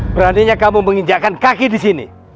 beraninya kamu menginjakkan kaki di sini